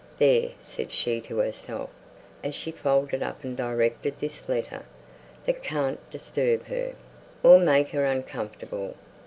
"There!" said she to herself, as she folded up and directed her letter; "that can't disturb her, or make her uncomfortable.